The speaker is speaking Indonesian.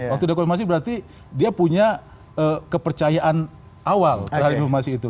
waktu dia konfirmasi berarti dia punya kepercayaan awal terhadap informasi itu